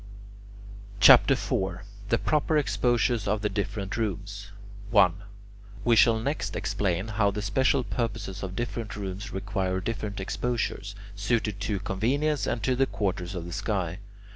CHAPTER IV THE PROPER EXPOSURES OF THE DIFFERENT ROOMS 1. We shall next explain how the special purposes of different rooms require different exposures, suited to convenience and to the quarters of the sky.